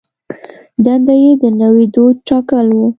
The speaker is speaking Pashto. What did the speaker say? دنده یې د نوي دوج ټاکل و.